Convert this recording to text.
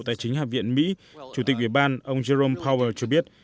tài chính hạm viện mỹ chủ tịch ủy ban ông jerome powell cho biết